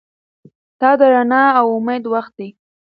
دا د رڼا او امید وخت دی.